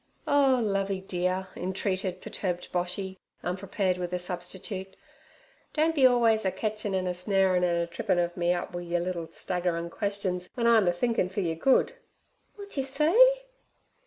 'Oh, Lovey dear' entreated perturbed Boshy, unprepared with a substitute, 'don't be always a ketchin' an' a snarin' an' a trippin' ov me up wi' yer liddle staggerin' questions w'en I'm a thinkin' fer yer good.' 'Wot yer say?'